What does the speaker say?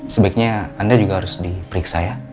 sebaiknya anda juga harus diperiksa ya